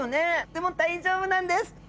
でも大丈夫なんです。